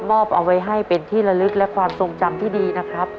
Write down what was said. มอบเอาไว้ให้เป็นที่ละลึกและความทรงจำที่ดีนะครับ